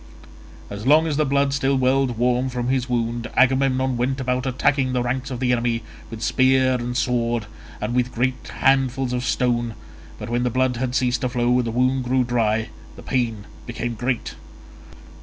As long as the blood still welled warm from his wound Agamemnon went about attacking the ranks of the enemy with spear and sword and with great handfuls of stone, but when the blood had ceased to flow and the wound grew dry, the pain became great.